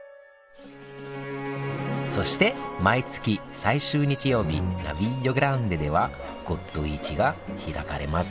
そして毎月最終日曜日ナヴィリオ・グランデでは骨董市が開かれます